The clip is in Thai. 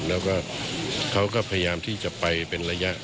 แล้วก็เขาก็พยายามที่จะไปเป็นระยะ